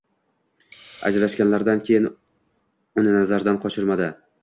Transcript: Ajrashganlaridan keyin uni nazardan qochirmadi